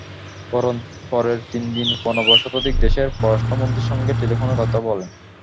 পরের তিন দিনে প্রণব শতাধিক দেশের পররাষ্ট্রমন্ত্রীর সঙ্গে টেলিফোনে কথা বলেন।